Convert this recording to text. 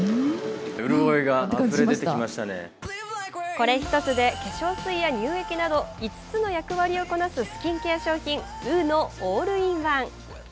これ一つで化粧水や乳液など５つの役割をこなす、スキンケア商品、ウーノ・オールインワン。